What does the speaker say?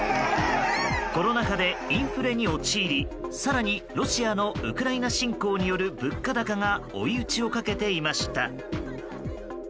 コロナ禍でインフレに陥り更にロシアのウクライナ侵攻による物価高が追い打ちをかけていました。